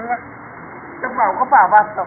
ขอบคุณที่ทำดีดีกับแม่ของฉันหน่อยครับ